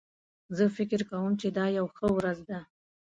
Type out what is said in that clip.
زه فکر کوم چې دا یو ښه ورځ ده